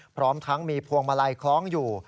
พร้อมทั้งมีพวงมาลัยคล้องอยู่